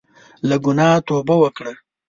له ګناه توبه وکړه.